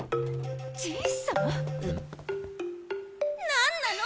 何なの？